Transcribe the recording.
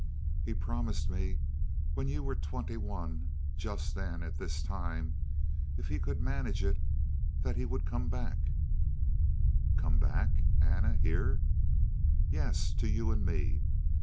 "He promised me when you were twenty one just then at this time, if he could manage it that he would come back " "Come back, Anna? Here?" "Yes. To you and me.